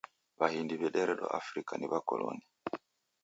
W'ahindi w'ederedwa Afrika ni W'akoloni